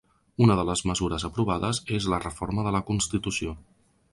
Una de les mesures aprovades és la reforma de la constitució.